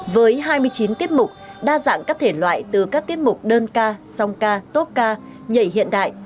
với hai mươi chín tiết mục đa dạng các thể loại từ các tiết mục đơn ca song ca tốt ca nhảy hiện đại